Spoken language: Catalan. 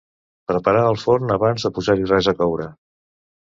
Preparar el forn abans de posar-hi res a coure.